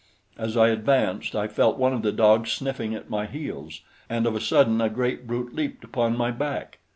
As I advanced I felt one of the dogs sniffing at my heels, and of a sudden a great brute leaped upon my back.